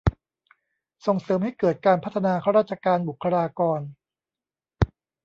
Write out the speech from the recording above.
ส่งเสริมให้เกิดการพัฒนาข้าราชการ บุคลากร